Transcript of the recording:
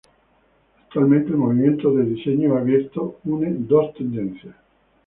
Actualmente, el movimiento de diseño abierto une dos tendencias.